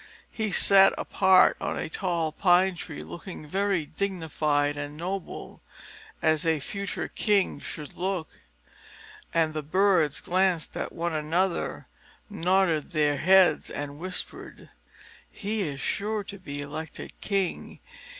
He sat apart on a tall pine tree, looking very dignified and noble, as a future king should look. And the birds glanced at one another, nodded their heads, and whispered, "He is sure to be elected king.